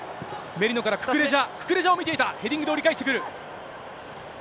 メリノからククレジャ、ククレジャを見ていた、ヘディングで折り返してくる。